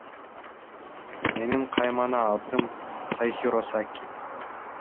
Менин каймана атым Сайхиросаки.